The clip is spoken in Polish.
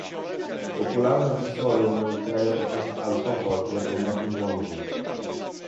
Popularne przysłowie w moim kraju określa alkohol jako napój mądrych